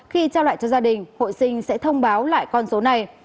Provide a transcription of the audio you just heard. khi trao lại cho gia đình hội sinh sẽ thông báo lại con số này